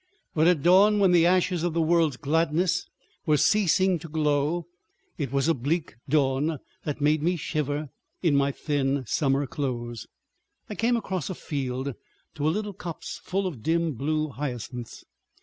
But at dawn, when the ashes of the world's gladness were ceasing to glow—it was a bleak dawn that made me shiver in my thin summer clothes—I came across a field to a little copse full of dim blue hyacinths.